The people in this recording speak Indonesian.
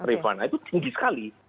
itu tinggi sekali